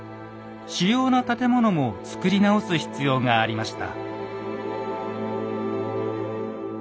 主要な建物も造り直す必要がありました。